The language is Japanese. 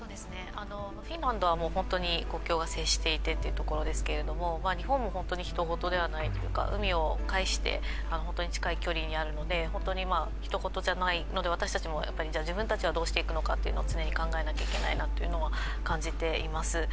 フィンランドは本当に国境が接していてというところですが日本もひと事ではないというか、海を介して本当に近い距離にあるので、ひと事じゃないので、私たちも自分たちはどうしていくのかということを常に考えていかなければならないと感じています。